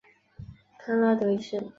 康拉德一世。